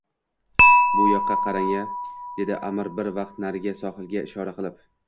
— Bu yoqqa qarang-a, — dedi Аmir bir vaqt narigi sohilga ishora qilib.